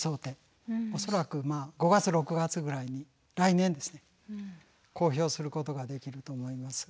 恐らく５月６月ぐらいに来年ですね公表することができると思います。